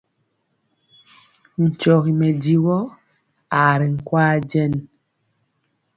Nkyɔgi mɛdivɔ aa ri nkwaaŋ jɛn.